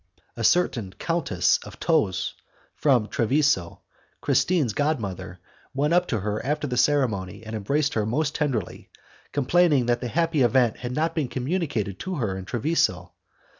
A certain Countess of Tos,... from Treviso, Christine's god mother, went up to her after the ceremony, and embraced her most tenderly, complaining that the happy event had not been communicated to her in Treviso.